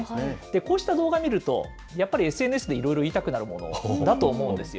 こうした動画見ると、やっぱりＳＮＳでいろいろ言いたくなるものだと思うんですよ。